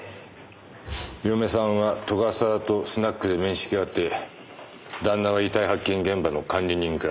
嫁さんは斗ヶ沢とスナックで面識があって旦那は遺体発見現場の管理人か。